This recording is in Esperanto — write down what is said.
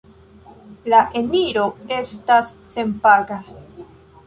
La eniro estas senpaga.